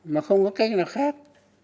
mà không có cách nào khác